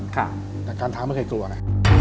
ครับแต่การทางไม่เคยกลัวนะ